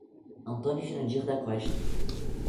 Antônio Jurandir da Costa